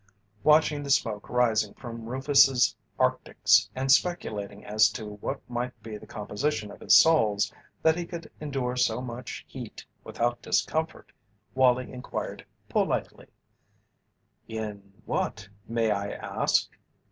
Watching the smoke rising from Rufus's arctics and speculating as to what might be the composition of his soles that he could endure so much heat without discomfort, Wallie inquired politely: "In what way, may I ask?"